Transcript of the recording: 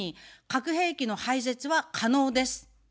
核兵器の廃絶は可能です。